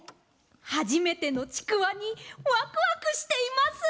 はじめてのちくわにワクワクしています。